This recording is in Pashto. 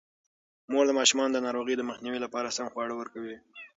مور د ماشومانو د ناروغۍ د مخنیوي لپاره سم خواړه ورکوي.